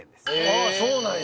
ああそうなんや。